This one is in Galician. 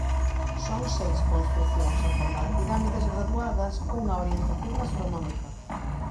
Son seis construcións en forma de pirámides graduadas cunha orientación astronómica.